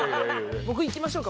僕いきましょうか？